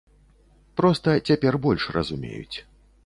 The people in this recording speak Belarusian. Проста цяпер больш разумеюць.